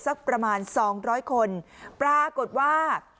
สักประมาณ๒๐๐คนปรากฏว่า